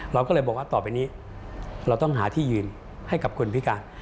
เราก็เลยบอกว่าต่อไปนี้เราต้องหาที่ยืนให้กับคนพิการ